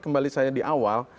kembali saya di awal